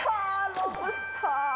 ロブスター！